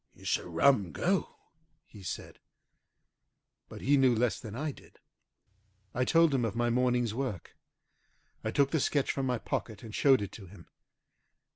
"It's a rum go!" he said. But he knew less than I did. I told him of my morning's work. I took the sketch from my pocket and showed it to him.